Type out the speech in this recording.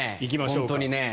本当にね。